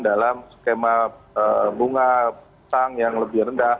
dalam skema bunga sang yang lebih rendah